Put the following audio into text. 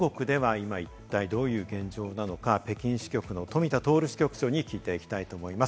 では中国では今、一体どういう現状なのか、北京支局の富田徹支局長に聞いていきます。